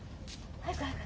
早く早く。